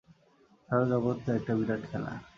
সারা জগৎ তো একটা বিরাট খেলা।